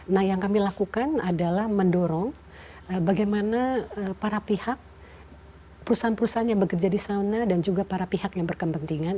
nah yang kami lakukan adalah mendorong bagaimana para pihak perusahaan perusahaan yang bekerja di sana dan juga para pihak yang berkepentingan